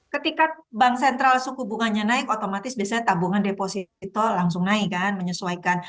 ketika bank sentral suku bunganya naik otomatis biasanya tabungan deposito langsung naik kan menyesuaikan